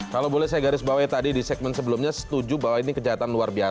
sampai jumpa di video selanjutnya